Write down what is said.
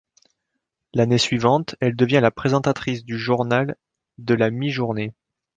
L'année suivante, elle devient la présentatrice du journal de la mi-journée.